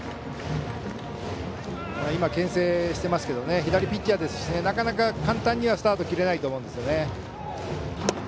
今、けん制してますが左ピッチャーですしなかなか、簡単にはスタート切れないと思います。